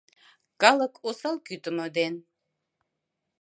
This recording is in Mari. Калык осал кӱтымӧ ден